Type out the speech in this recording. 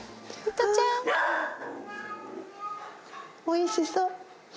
おいしそう。